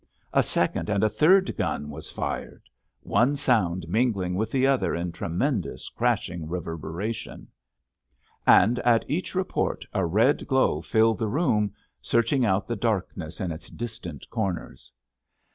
A second and a third gun was fired—one sound mingling with the other in tremendous crashing reverberation. And at each report a red glow filled the room, searching out the darkness in its most distant corners. Mrs.